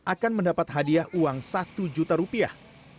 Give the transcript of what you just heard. akan mendapat hadiah uang satu juta rupiah